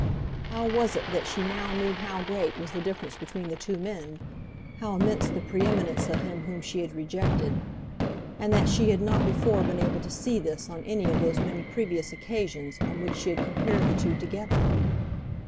How was it that she now knew how great was the difference between the two men, how immense the pre eminence of him whom she had rejected; and that she had not before been able to see this on any of those many previous occasions on which she had compared the two together?